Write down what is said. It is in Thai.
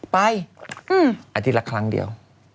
ไปอันดีละครั้งเดียว